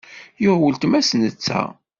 Yuɣ uletma-s netta.